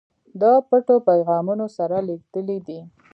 د پټو پیغامونو سره لېږلی دي.